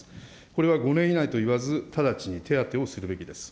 これは５年以内といわず、直ちに手当てをするべきです。